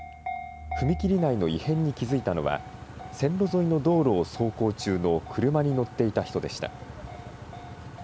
踏切内の異変に気付いたのは、線路沿いの道路を走行中の車に乗っていた人でした。